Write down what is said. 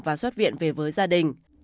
và xuất viện về với gia đình